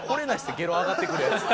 ゲロあがってくるヤツ。